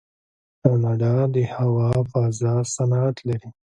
کاناډا د هوا فضا صنعت لري.